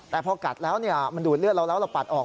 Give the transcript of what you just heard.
แต่พอกัดแล้วมันดูดเลือดเราแล้วเราปัดออก